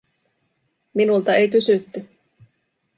Minulta ei kysytty.